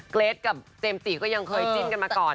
เกรทกับเจมส์จีก็ยังเคยจิ้นกันมาก่อน